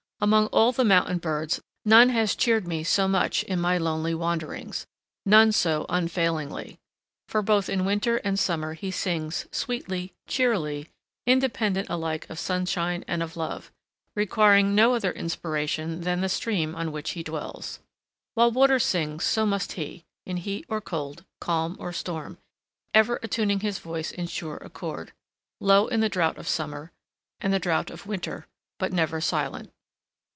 Among all the mountain birds, none has cheered me so much in my lonely wanderings,—none so unfailingly. For both in winter and summer he sings, sweetly, cheerily, independent alike of sunshine and of love, requiring no other inspiration than the stream on which he dwells. While water sings, so must he, in heat or cold, calm or storm, ever attuning his voice in sure accord; low in the drought of summer and the drought of winter, but never silent.